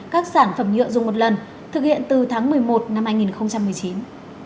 các sản phẩm nhựa dùng một lần thực hiện từ tháng một mươi một năm hai nghìn một mươi chín